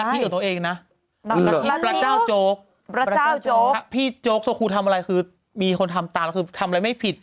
โป๊ปโซคูล์ทำอะไรคือมีคนทำตามทำอะไรไม่ผิด